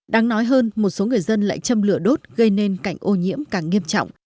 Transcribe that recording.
đáng nói hơn một số người dân lại châm lửa đốt gây nên cảnh ô nhiễm càng nghiêm trọng